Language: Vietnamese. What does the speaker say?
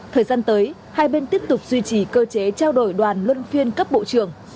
thời gian tới hai bên tiếp tục duy trì cơ chế trao đổi đoàn luân phiên cấp bộ trưởng